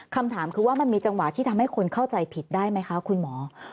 คำถามคือว่ามันมีจังหวะที่ทำให้คนเข้าใจผิดได้ไหมคะคุณหมอ